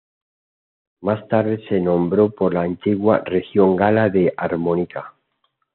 Más tarde se nombró por la antigua región gala de Armórica.